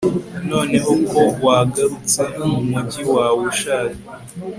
noneho ko wagarutse mu mujyi wawe ushaje